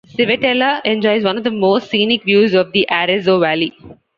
Civitella enjoys one of the most scenic views of the Arezzo valley.